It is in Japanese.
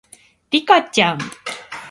リカちゃん